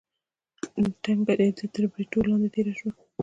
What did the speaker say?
ټنګه دې تر بریتو لاندې راتېره شوه.